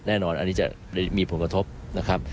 แน่นอนอันนี้จะมีผลกระทบ